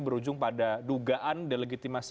berujung pada dugaan delegitimasi